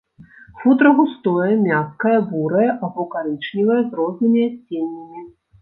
Футра густое, мяккае, бурае або карычневае з рознымі адценнямі.